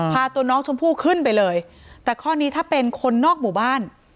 พาตัวน้องชมพู่ขึ้นไปเลยแต่ข้อนี้ถ้าเป็นคนนอกหมู่บ้าน